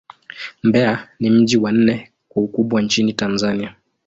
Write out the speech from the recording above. Mbeya ni mji wa nne kwa ukubwa nchini Tanzania.